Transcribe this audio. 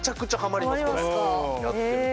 これやってると。